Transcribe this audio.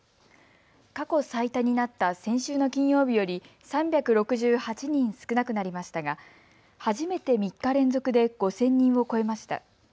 過去最多になった先週の金曜日より３６８人少なくなりましたが初めて３日連続で５０００人を超えました。